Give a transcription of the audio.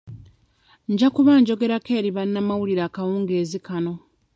Nja kuba njoegerako eri bannamawulire akawungenzi kano.